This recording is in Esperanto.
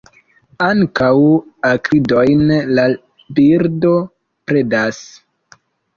Ankaŭ akridojn la birdo predas.